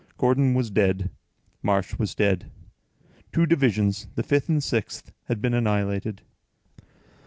Gordon was dead. Marsh was dead. Two divisions, the fifth and the sixth, had been annihilated.